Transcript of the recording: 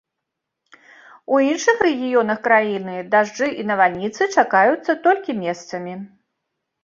У іншых рэгіёнах краіны дажджы і навальніцы чакаюцца толькі месцамі.